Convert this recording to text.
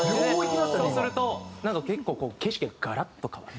そうすると結構景色がガラッと変わる。